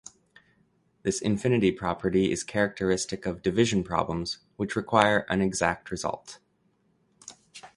This infinity property is characteristic of division problems which require an exact result.